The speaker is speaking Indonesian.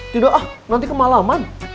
tidak ah nanti kemalaman